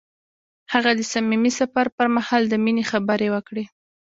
هغه د صمیمي سفر پر مهال د مینې خبرې وکړې.